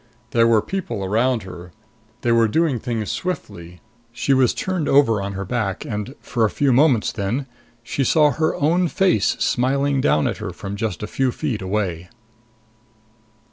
There were people around her. They were doing things swiftly. She was turned over on her back and, for a few moments then, she saw her own face smiling down at her from just a few feet away.